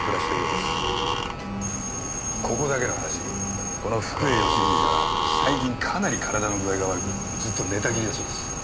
ここだけの話この福栄義英氏は最近かなり体の具合が悪くずっと寝たきりだそうです。